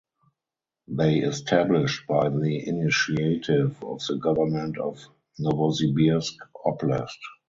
They established by the initiative of the Government of Novosibirsk Oblast.